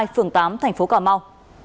phường tám tp cà mau